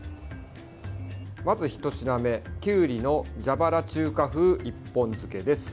まず１品目、きゅうりの蛇腹中華風一本漬けです。